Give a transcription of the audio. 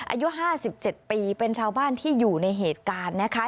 อายุ๕๗ปีเป็นชาวบ้านที่อยู่ในเหตุการณ์นะคะ